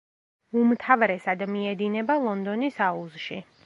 უმთავრესად მიედინება ლონდონის აუზში.